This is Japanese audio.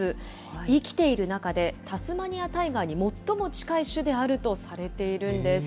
生きている中で、タスマニア・タイガーに最も近い種であるとされているんです。